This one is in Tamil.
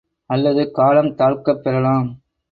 அல்லது காலம் தாழ்க்கப் பெறலாம்.